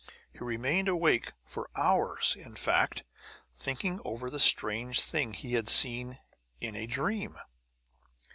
He remained awake for hours, in fact, thinking over the strange thing he had seen "in a dream."